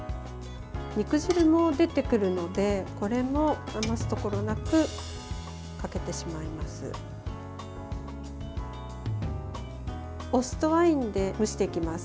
肉汁も出てくるのでこれも余すところなくかけてしまいます。